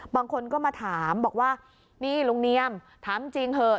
บางคนก็มาถามบอกว่านี่ลุงเนียมถามจริงเถอะ